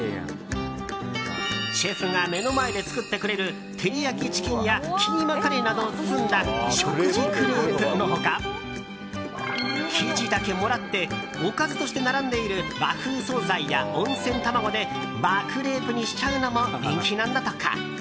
シェフが目の前で作ってくれる照り焼きチキンやキーマカレーなどを包んだ食事クレープの他生地だけもらっておかずとして並んでいる和風総菜や温泉卵で和クレープにしちゃうのも人気なんだとか。